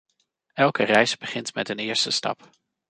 Elke reis begint met een eerste stap.